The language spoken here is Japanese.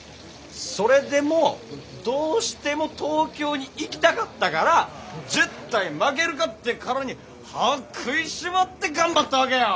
それでもどうしても東京に行きたかったからジェッタイ負けるかってからに歯食いしばって頑張ったわけよ。